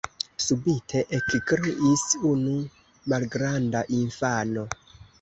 subite ekkriis unu malgranda infano.